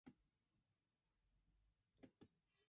It is solar powered, fully automated and runs continuously.